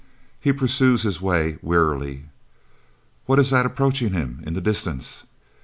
He pursues his way wearily. What is that approaching him in the distance?